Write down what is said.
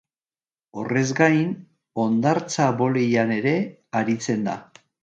Horrez gain, hondartza-boleian ere aritzen da.